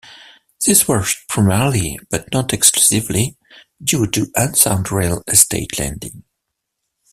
This was primarily, but not exclusively, due to unsound real estate lending.